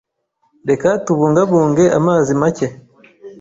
Reka tubungabunge amazi make.